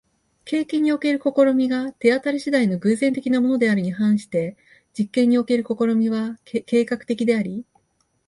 経験における試みが手当り次第の偶然的なものであるに反して、実験における試みは計画的であり、